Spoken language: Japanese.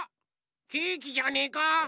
ケーキじゃねえか？